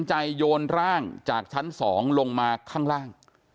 ใจโยนร่างจากชั้น๒ลงมาข้างล่าง